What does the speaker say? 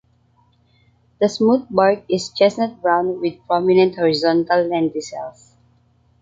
The smooth bark is chestnut-brown, with prominent horizontal lenticels.